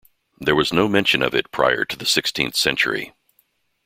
There was no mention of it prior to the sixteenth century.